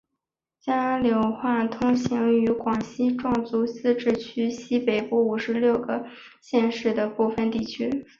桂柳话通行于广西壮族自治区西北部五十六个县市的部分地区。